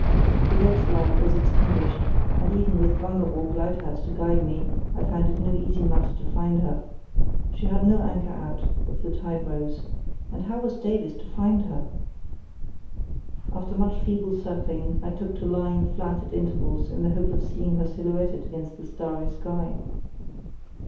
The yacht's light was extinguished, and, even with Wangeroog Lighthouse to guide me, I found it no easy matter to find her. She had no anchor out, if the tide rose. And how was Davies to find her? After much feeble circling I took to lying flat at intervals in the hopes of seeing her silhouetted against the starry sky.